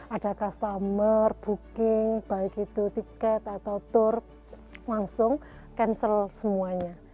ada customer booking baik itu tiket atau tour langsung cancel semuanya